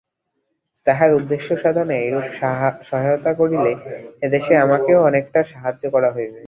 তাঁহার উদ্দেশ্যসাধনে এইরূপে সহায়তা করিলে এদেশে আমাকেও অনেকটা সাহায্য করা হইবে।